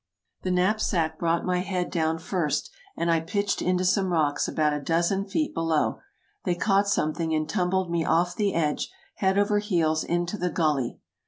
The knapsack brought my head down first, and I pitched into some rocks about a dozen feet below : they caught something, and tumbled me off the edge, head over heels, into the gully.